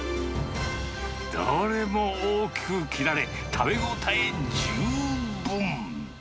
どれも大きく切られ、食べ応え十分。